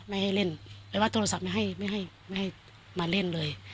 ไม่ให้เล่นหรือว่าโทรศัพท์ไม่ให้มาเล่นเลย